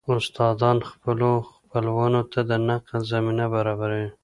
استادان خپلو خپلوانو ته د نقل زمينه برابروي